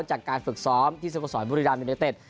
จากการฝึกซ้อมที่สโมสรบุรีรัมยูเนเต็ด